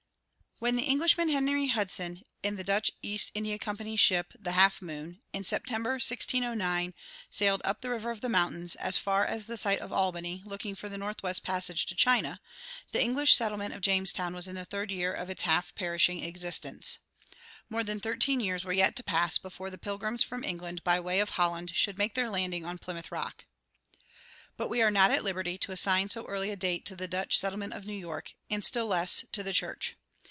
When the Englishman Henry Hudson, in the Dutch East India Company's ship, the "Half moon," in September, 1609, sailed up "the River of Mountains" as far as the site of Albany, looking for the northwest passage to China, the English settlement at Jamestown was in the third year of its half perishing existence. More than thirteen years were yet to pass before the Pilgrims from England by way of Holland should make their landing on Plymouth Rock. But we are not at liberty to assign so early a date to the Dutch settlement of New York, and still less to the church.